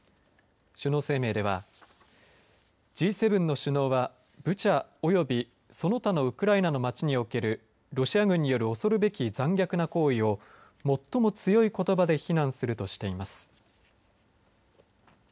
首脳声明ではＧ７の首脳はブチャ及びその他のウクライナの街におけるロシア軍による恐るべき残虐な行為を最も強いことばで非難するとしています。